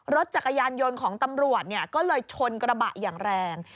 รถจักรยานยนต์ของตำรวจก็เลยชนกระบะอย่างแรง